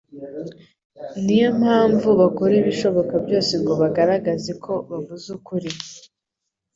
niyo mpamvu bakora ibishoboka byose ngo bagaragaze ko bavuze ukuri